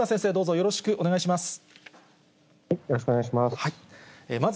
よろしくお願いします。